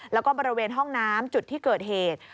แล้วก็บริเวณห้องน้ำจุดที่เกิดเหตุ